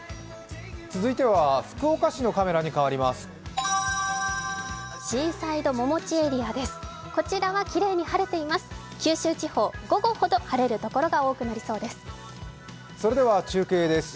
続いては福岡市のカメラに変わります。